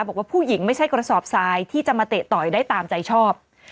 บอกว่าผู้หญิงไม่ใช่กระสอบทรายที่จะมาเตะต่อยได้ตามใจชอบ